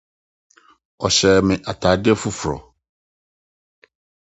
Ɔhyɛɛ me atade foforo.